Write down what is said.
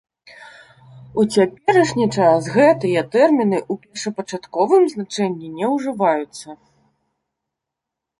У цяперашні час гэтыя тэрміны ў першапачатковым значэнні не ўжываюцца.